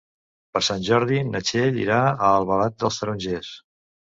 Per Sant Jordi na Txell irà a Albalat dels Tarongers.